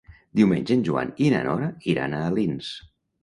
Diumenge en Joan i na Nora iran a Alins.